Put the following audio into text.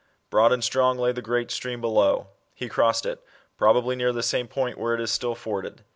Broad and strong lay the great stream below. He crossed it, probably near the same point where it is still forded.